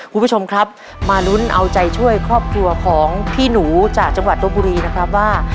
คุณผู้ชมครับมาลุ้นเอาใจช่วยครอบครัวของพี่หนูจากจังหวัดตบบุรีนะครับว่า